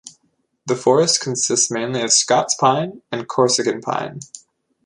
The forest consists mainly of Scots pine and Corsican pine.